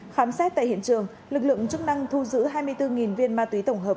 khám xét tại hiện trường lực lượng chức năng thu giữ hai mươi bốn viên ma túy tổng hợp